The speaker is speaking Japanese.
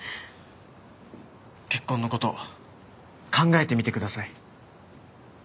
結婚の事考えてみてください。